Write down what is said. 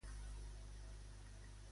En quin context va ser guardonat Iolau?